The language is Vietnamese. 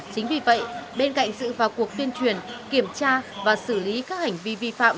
chính vì vậy bên cạnh sự vào cuộc tuyên truyền kiểm tra và xử lý các hành vi vi phạm